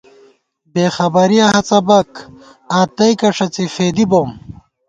بېخبَرِیَہ ہَڅَبَک آں تئیکہ ݭَڅی فېدِی بوم